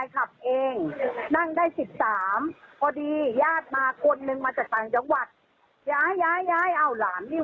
ก็ไม่ยินดีตำรวจไม่ยินดี